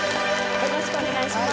よろしくお願いします。